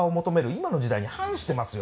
今の時代に反してますよ。